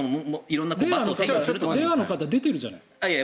れいわの方出てるじゃない。